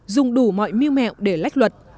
dùng đủ mọi mưu mẹo để lách luật